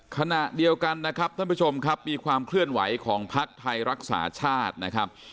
ขณะเดียวกันนะครับท่านผู้ชมครับมีความเคลื่อนไหวของภักดิ์ไทยรักษาชาตินะครับ